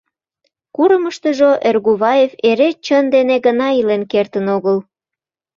Курымыштыжо Эргуваев эре чын дене гына илен кертын огыл.